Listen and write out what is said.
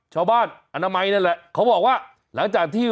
อนามัยนั่นแหละเขาบอกว่าหลังจากที่